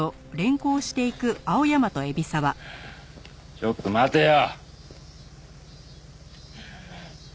ちょっと待てよ！